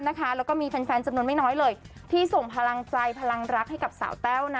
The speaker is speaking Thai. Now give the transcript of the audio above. แล้วก็มีแฟนจำนวนไม่น้อยเลยที่ส่งพลังใจพลังรักให้กับสาวแต้วนะ